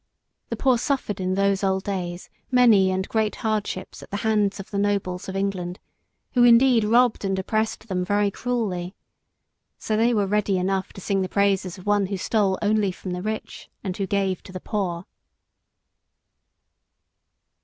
The poor suffered in those old days many and great hardships at the hands of the nobles of England, who indeed robbed and oppressed them very cruelly. So they were ready enough to sing the praises of one who stole only from the rich and who gave to the poor.